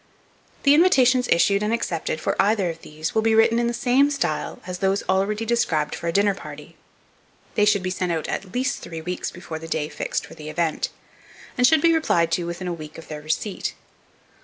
The invitations issued and accepted for either of these, will be written in the same style as those already described for a dinner party. They should be sent out at least three weeks before the day fixed for the event, and should be replied to within a week of their receipt.